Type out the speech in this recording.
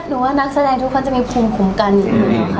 ว่านักแสดงทุกคนจะมีภูมิคุ้มกันอยู่แล้วค่ะ